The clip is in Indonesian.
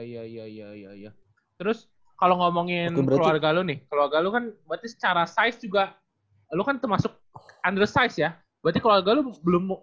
ya ya ya ya ya ya ya terus kalau ngomongin keluarga lu nih keluarga lu kan berarti secara size juga lu kan termasuk undersize ya berarti keluarga lu belum